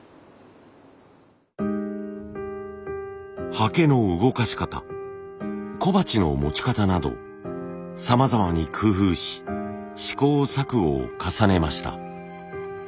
はけの動かし方小鉢の持ち方などさまざまに工夫し試行錯誤を重ねました。